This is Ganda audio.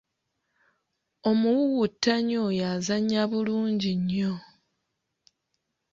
Omuwuwuttanyi oyo azannnya bulungi nnyo.